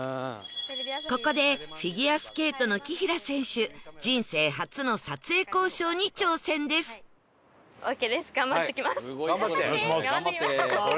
ここでフィギュアスケートの紀平選手人生初の撮影交渉に挑戦です頑張って！頑張ってきます！